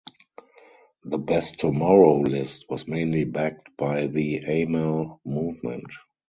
The "Best Tomorrow" list was mainly backed by the Amal Movement.